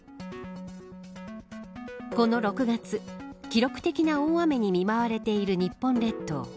この６月記録的な大雨に見舞われている日本列島。